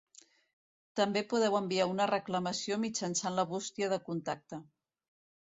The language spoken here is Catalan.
També podeu enviar una reclamació mitjançant la bústia de contacte.